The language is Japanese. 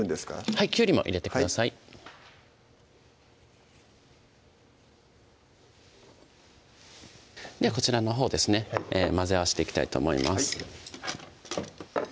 はいきゅうりも入れてくださいではこちらのほうですね混ぜ合わしていきたいと思います